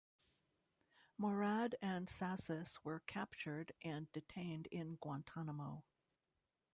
Mourad and Sassis were captured and detained in Guantanamo.